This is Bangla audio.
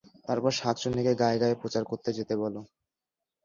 তারপর শাঁকচুন্নীকে গাঁয়ে গাঁয়ে প্রচার করতে যেতে বলো।